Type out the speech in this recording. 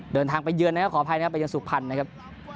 เดินทางไปเยือนนะครับขออภัยนะครับไปเยสุพรรณนะครับ